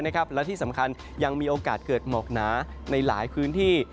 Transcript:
และที่สำคัญยังมีโอกาสเกิดหมอกหนาในหลายพื้นที่